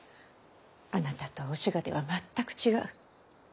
あなたとお志賀では全く違う。